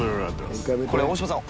これ大島さん。